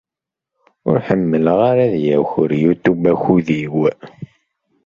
Ur ḥemmleɣ ara ad yaker Youtube akud-iw.